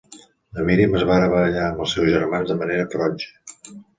La Míriam es va barallar amb els seus germans de manera ferotge.